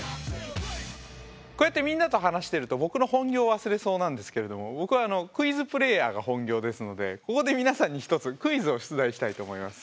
こうやってみんなと話してると僕の本業を忘れそうなんですけれども僕はクイズプレーヤーが本業ですのでここで皆さんに１つクイズを出題したいと思います。